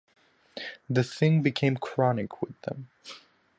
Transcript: The thing became chronic with them.